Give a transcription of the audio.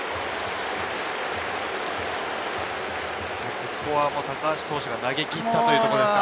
ここは高橋投手が投げきったというところですか？